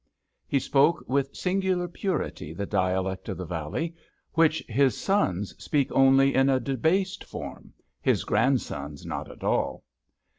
He spoke with singular purity the dialect of the valley, which his sons speak only in a debased form, his grandsons not at all.